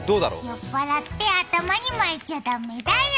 酔っ払って頭に巻いちゃダメだよ。